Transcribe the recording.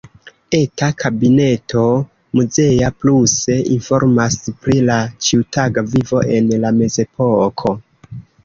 Eta kabineto muzea pluse informas pri la ĉiutaga vivo en la mezepoko.